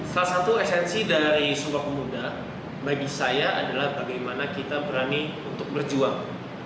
salah satu esensi dari sumpah pemuda bagi saya adalah bagaimana kita berani untuk berjuang